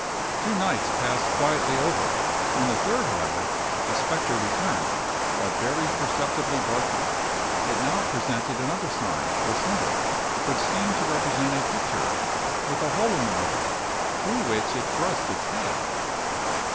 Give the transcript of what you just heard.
Two nights passed quietly over; on the third, however, the spectre returned; but very perceptibly darker. It now presented another sign, or symbol, which seemed to represent a picture, with a hole in the middle, through which it thrust its head.